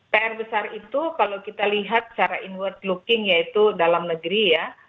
pr besar itu kalau kita lihat secara inward looking yaitu dalam negeri ya